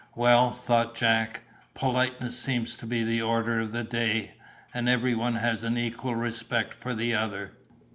"Well," thought Jack, "politeness seems to be the order of the day, and every one has an equal respect for the other."